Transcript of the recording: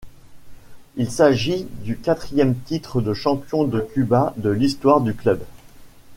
Il s'agit du quatrième titre de champion de Cuba de l'histoire du club.